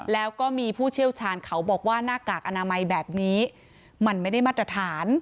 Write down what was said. แล้วก็มีผู้เชี่ยวชาญเขาบอกว่าหน้ากากอนามัยแบบนี้มันไม่ได้มาตรฐาน